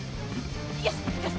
よしよし！